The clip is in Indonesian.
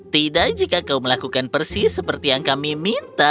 tidak jika kau melakukan persis seperti yang kami minta